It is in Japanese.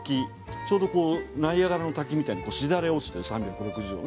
ちょうどナイアガラの滝みたいにしだれ落ちているんですね。